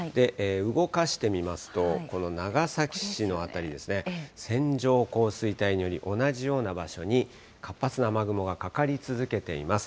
動かしてみますと、この長崎市の辺りですね、線状降水帯により、同じような場所に活発な雨雲がかかり続けています。